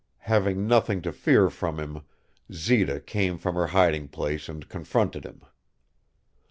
Having nothing to fear from him, Zita came from her hiding place and confronted him.